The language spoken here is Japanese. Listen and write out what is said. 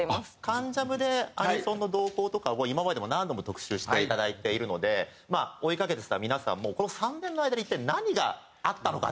『関ジャム』でアニソンの動向とかを今までも何度も特集していただいているのでまあ追いかけてた皆さんもこの３年の間に一体何があったのか？